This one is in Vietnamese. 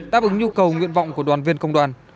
đáp ứng nhu cầu nguyện vọng của đoàn viên công đoàn